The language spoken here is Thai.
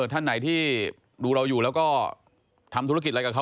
ท่านไหนที่ดูเราอยู่แล้วก็ทำธุรกิจอะไรกับเขา